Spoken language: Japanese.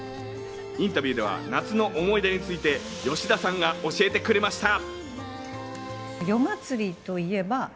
インタビューでは夏の思い出について、吉田さんが教えてくれました。